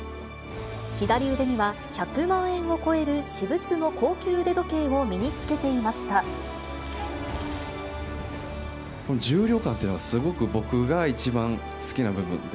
左腕には１００万円を超える私物の高級腕時計を身につけていまし重量感というのがすごく僕が一番好きな部分で。